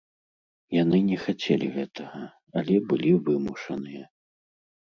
Яны не хацелі гэтага, але былі вымушаныя.